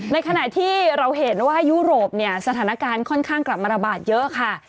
ในขณะที่เราเห็นว่ายุโรปเนี่ยสถานการณ์ค่อนข้างกลับมาระบาดเยอะค่ะ